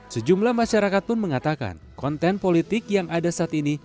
sejumlah masyarakat pun mengatakan konten politik yang ada saat ini